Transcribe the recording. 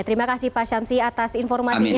terima kasih pak syamsi atas informasinya